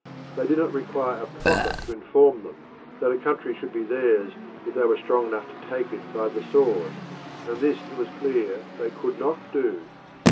They did not require a prophet to inform them that a country should be theirs if they were strong enough to take it by the sword, and this it was clear they could not do.